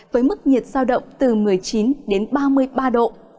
với mức nhiệt giao động từ một mươi chín đến ba mươi ba độ